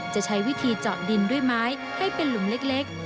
จะใช้วิธีเจาะดินด้วยไม้ให้เป็นหลุมเล็ก